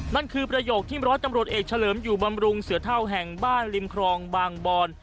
นั่นคือประโยคที่ร้อยตำรวจเอกเฉลิมอยู่บำรุงเสือเท่าแห่งบ้านริมครองบางบอน